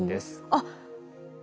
あっ。